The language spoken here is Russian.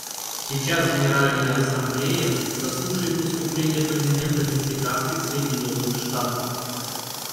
Сейчас Генеральная Ассамблея заслушает выступление президента Мексиканских Соединенных Штатов.